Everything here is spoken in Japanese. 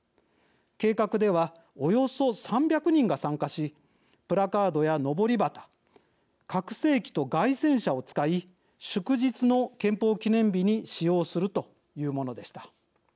計画ではおよそ３００人が参加しプラカードやのぼり旗拡声機と街宣車を使い祝日の憲法記念日に使用するというものでした。